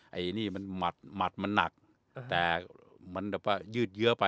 อันนี้มัดมัดมันหนักแต่มันก็ยืดเยอะไป